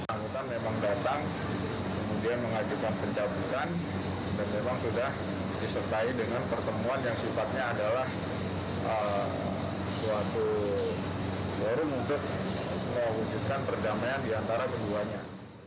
angkutan memang datang kemudian mengajukan pencaputan dan memang sudah disertai dengan pertemuan yang sifatnya adalah suatu warung untuk mewujudkan perdamaian diantara keduanya